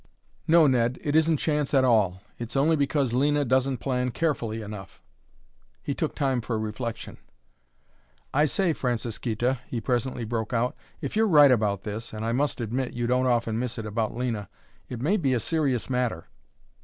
"No, Ned; it isn't chance at all. It's only because Lena doesn't plan carefully enough." He took time for reflection. "I say, Francisquita," he presently broke out, "if you're right about this and I must admit you don't often miss it about Lena it may be a serious matter."